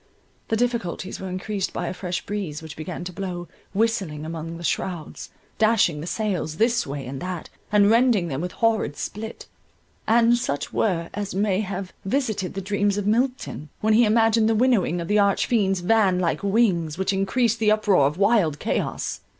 The difficulties were increased by a fresh breeze which began to blow, whistling among the shrowds, dashing the sails this way and that, and rending them with horrid split, and such whir as may have visited the dreams of Milton, when he imagined the winnowing of the arch fiend's van like wings, which encreased the uproar of wild chaos.